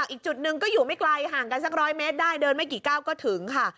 อีกจุดหนึ่งก็อยู่ไม่ไกลห่างกันสัก๑๐๐เมตรได้เดินไม่กี่ก้าวก็ถึงค่ะ